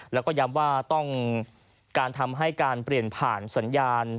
แล้วก็ย้ำว่าต้องการทำให้การเปลี่ยนผ่านสัญญาณ